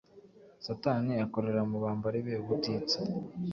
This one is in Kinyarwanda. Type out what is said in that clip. Satani akorera mu bambari be ubutitsa